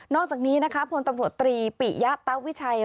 อกจากนี้นะคะพลตำรวจตรีปิยะตะวิชัย